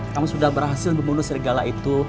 kamu sudah berhasil membunuh serigala itu